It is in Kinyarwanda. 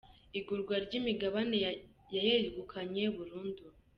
igurwa ry’imigabane ya Yayegukanye burundu.